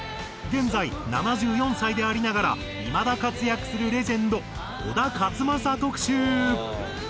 現在７４歳でありながらいまだ活躍するレジェンド小田和正特集！